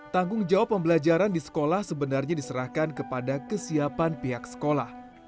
tanggung jawab pembelajaran di sekolah sebenarnya diserahkan kepada kesiapan pihak sekolah